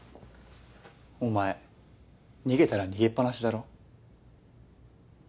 お前逃げたら逃げっぱなしだろ。